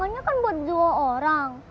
biasanya undangannya kan buat dua orang